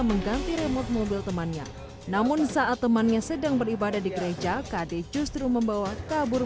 mengganti remote mobil temannya namun saat temannya sedang beribadah di gereja kd justru membawa kabur